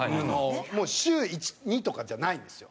もう週１２とかじゃないんですよ。